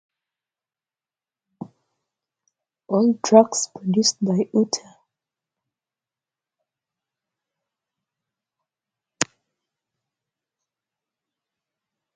All tracks produced by Uta.